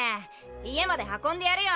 家まで運んでやるよ。